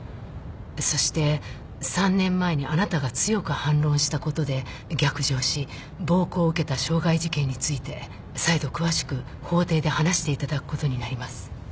そして３年前にあなたが強く反論したことで逆上し暴行を受けた傷害事件について再度詳しく法廷で話していただくことになります。